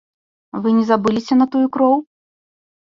Вы не забыліся на тую кроў?